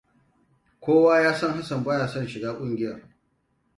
Kowa ya san Hassan baya son shiga ƙungiyar.